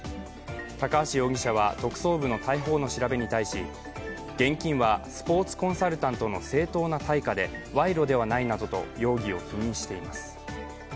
高橋容疑者は特捜部の逮捕後の調べに対し現金はスポーツコンサルタントの正当な対価で、賄賂ではないなどと容疑を否認しています。